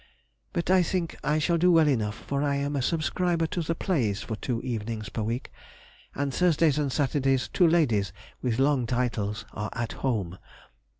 But I think I shall do well enough, for I am a subscriber to the plays for two evenings per week, and Thursdays and Saturdays two ladies with long titles are at home.